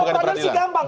kok peradilan sih gampang